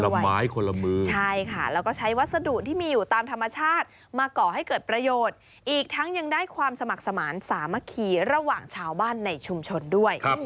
ไม้คนละมือใช่ค่ะแล้วก็ใช้วัสดุที่มีอยู่ตามธรรมชาติมาก่อให้เกิดประโยชน์อีกทั้งยังได้ความสมัครสมานสามัคคีระหว่างชาวบ้านในชุมชนด้วย